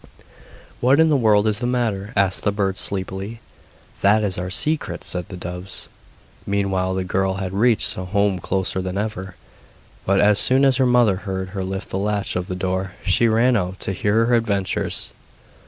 'What in the world is the matter?' asked the birds sleepily. 'That is our secret,' said the doves. Meanwhile the girl had reached home crosser than ever; but as soon as her mother heard her lift the latch of the door she ran out to hear her adventures.